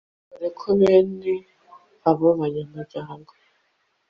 dore ko bene abo banyamugogo